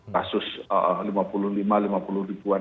kasus lima puluh lima lima puluh ribuan